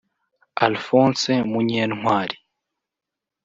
Alphonse Munyentwali